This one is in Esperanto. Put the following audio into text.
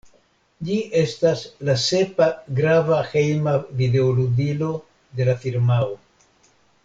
Ĝi estas la sepa grava hejma videoludilo de la firmao.